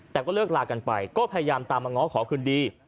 แต่ก็เลิกลากันไปก็พยายามตามมาง้อขอคืนดี